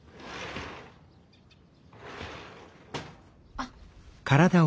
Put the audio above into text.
あっ。